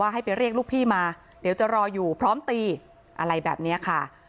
ให้ไปเรียกลูกพี่มาเดี๋ยวจะรออยู่พร้อมตีอะไรแบบนี้ค่ะ